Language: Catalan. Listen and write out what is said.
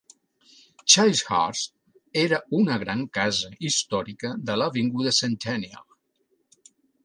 Chislehurst era una gran casa històrica de l'avinguda Centennial.